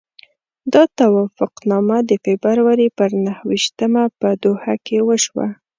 دا توافقنامه د فبروري پر نهه ویشتمه په دوحه کې وشوه.